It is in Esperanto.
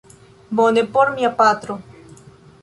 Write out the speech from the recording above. Bone, por mia patro